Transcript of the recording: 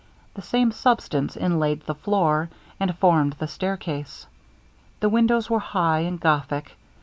The same substance inlaid the floor, and formed the stair case. The windows were high and gothic.